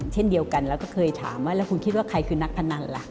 เช่นเดียวกันแล้วก็เคยถามว่าแล้วคุณคิดว่าใครคือนักพนันล่ะ